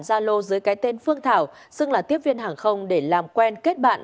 gia lô dưới cái tên phương thảo xưng là tiếp viên hàng không để làm quen kết bạn